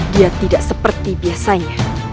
dia tidak seperti biasanya